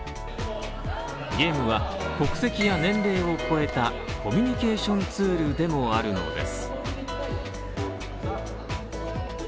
ゲームは国籍や年齢を超えたコミュニケーションツールでもあるのです。